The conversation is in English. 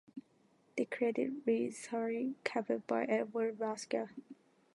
The credit reads Sorry, Cover by Edward Ruscha.